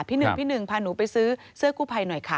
หนึ่งพี่หนึ่งพาหนูไปซื้อเสื้อกู้ภัยหน่อยค่ะ